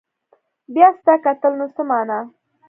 بيا ستا کتل نو څه معنا